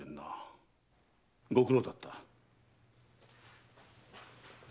ご苦労だった。